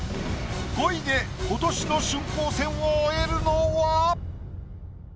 ５位で今年の春光戦を終えるのは？